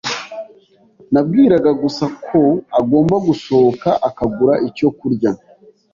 Nabwiraga gusa ko agomba gusohoka akagura icyo kurya.